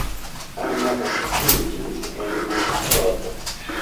Anna naskiĝis en Mantovo.